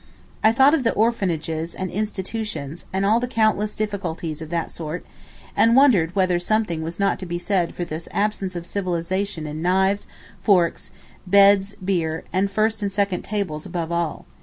I thought of the 'orphanages and institutions' and all the countless difficulties of that sort, and wondered whether something was not to be said for this absence of civilization in knives, forks, beds, beer, and first and second tables above all.